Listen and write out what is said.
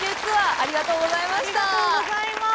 ありがとうございます。